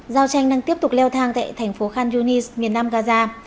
giao tranh đang tiếp tục leo thang tại thành phố khandunis miền nam gaza